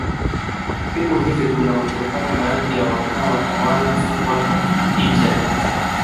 Siku hizi kuna uwezekano baadhi yao wakawa hawana sifa hii tena